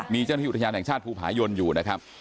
มีเจ้าหน้าที่อุทยานแห่งชาติภูผายนอยู่นะครับ